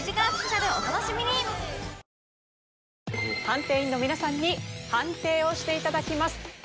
判定員の皆さんに判定をしていただきます。